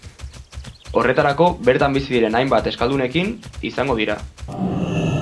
Horretarako, bertan bizi diren hainbat euskaldunekin izango dira.